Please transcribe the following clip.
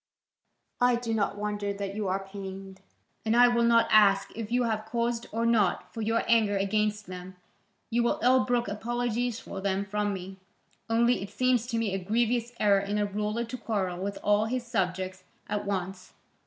I do not wonder that you are pained, and I will not ask if you have cause or not for your anger against them: you will ill brook apologies for them from me. Only it seems to me a grievous error in a ruler to quarrel with all his subjects at once.